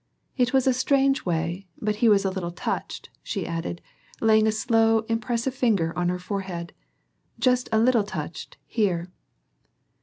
It was a strange way, but he was a little touched," she added, laying a slow impressive finger on her forehead, "just a little touched here."